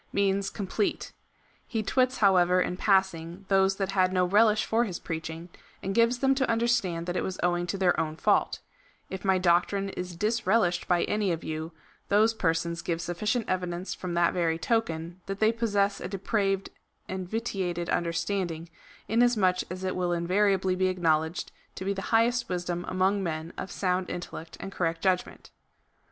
means complete.^ He twits, however, in passing, those that had no relish for his preaching, and gives them to under stand that it was owing to their own fault :" If my doctrine is disrelished by any of you, those persons give sufficient evidence from that very token, that they possess a depraved and vitiated understanding, inasmuch as it will invariably be acknowledged to be the highest wisdom among men of sound intellect and correct judgment."'